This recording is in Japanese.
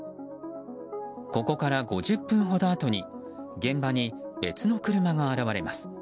ここから５０分ほどあとに現場に別の車が現れます。